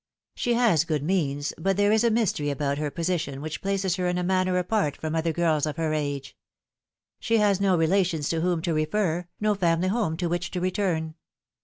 She has good means, but there is a mystery about her position which places her in a manner apart from other girls of her age. She has no relations to whom to refer, no family home to which to return.